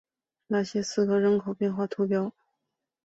拉谢兹人口变化图示